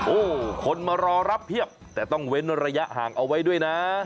โอ้โหคนมารอรับเพียบแต่ต้องเว้นระยะห่างเอาไว้ด้วยนะ